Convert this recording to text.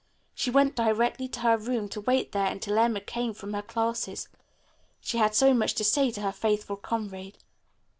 She went directly to her room to wait there until Emma came from her classes. She had so much to say to her faithful comrade.